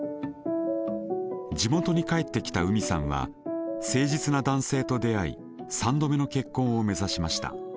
地元に帰ってきた海さんは誠実な男性と出会い３度目の結婚を目指しました。